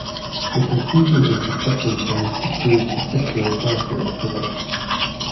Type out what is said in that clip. The confusion in construction tends to prove the fictional character of the work.